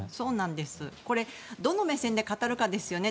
これどの目線で語るかですよね。